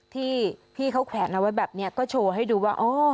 ที่พี่เขาแขวนเอาไว้แบบนี้ก็โชว์ให้ดูว่า